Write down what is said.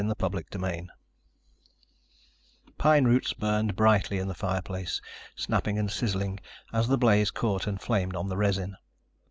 CHAPTER FIVE Pine roots burned brightly in the fireplace, snapping and sizzling as the blaze caught and flamed on the resin.